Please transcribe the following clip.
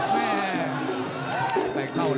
แม่